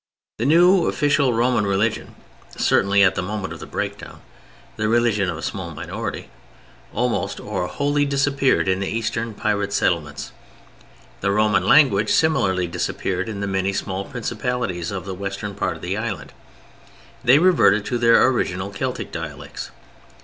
The new official Roman religion—certainly at the moment of the breakdown the religion of a small minority—almost or wholly disappeared in the Eastern pirate settlements. The Roman language similarly disappeared in the many small principalities of the western part of the island; they reverted to their original Celtic dialects.